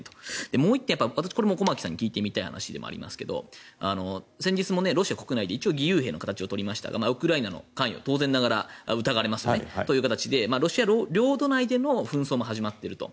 もう１個は私もこれ駒木さんに聞いてみたい話ですが先日もロシア国内で一応義勇兵の形を取りましたがウクライナの関与も当然ながら疑われますよねという形でロシア領土内での紛争も始まっていると。